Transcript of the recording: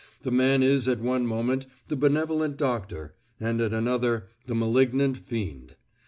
The man is at one moment the benevolent doctor, and at another the malignant fiend.